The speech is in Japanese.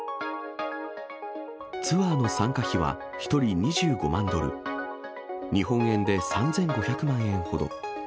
ツアーの参加費は１人２５万ドル、日本円で３５００万円ほど。